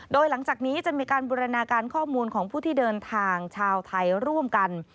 โดยหลังจากนี้จะมีการบูรณาการข้อมูลของผู้ที่เดินทางชาวไทยร่วมกัน